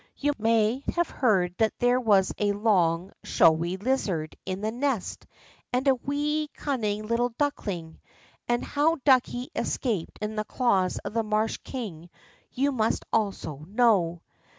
You may have heard that there was a long, showy lizard in the nest, and a wee, cunning duck ling. And how ducky escaped in the claws of the marsh king you must also know.